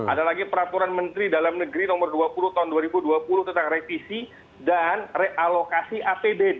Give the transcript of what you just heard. ada lagi peraturan menteri dalam negeri nomor dua puluh tahun dua ribu dua puluh tentang revisi dan realokasi apd